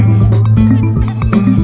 nah aku lapar nih